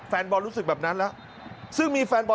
แฟนบอลรู้สึกแบบนั้นแล้ว